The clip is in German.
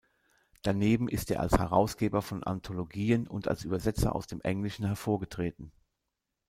Daneben ist er als Herausgeber von Anthologien und als Übersetzer aus dem Englischen hervorgetreten.